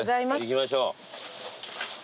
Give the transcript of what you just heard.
行きましょう。